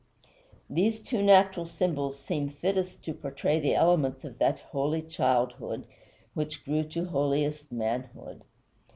These two natural symbols seem fittest to portray the elements of that holy childhood which grew to holiest manhood.